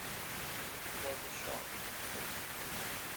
"It was a shot," he said.